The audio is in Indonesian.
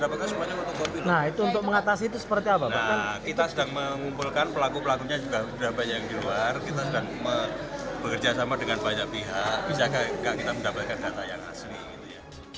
bekerja sama dengan banyak pihak bisa kita mendapatkan data yang asli